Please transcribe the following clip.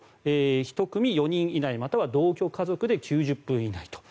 １組４人以内または同居家族で９０分以内と。